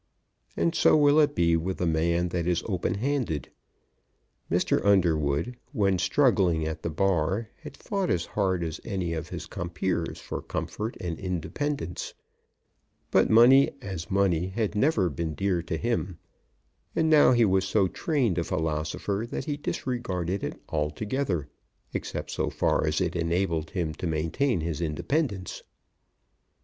And so will it be with the man that is open handed. Mr. Underwood, when struggling at the Bar, had fought as hard as any of his compeers for comfort and independence; but money, as money, had never been dear to him; and now he was so trained a philosopher that he disregarded it altogether, except so far as it enabled him to maintain his independence.